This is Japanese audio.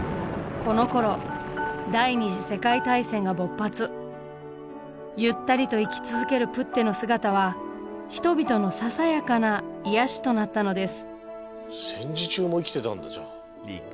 このころゆったりと生き続けるプッテの姿は人々のささやかな癒やしとなったのです。